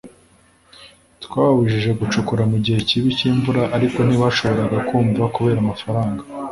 “twababujije gucukura mu gihe kibi cy’imvura ariko ntibashobora kumva kubera amafaranga